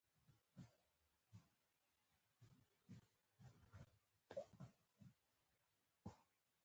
ترڅو ورته څرگنده شي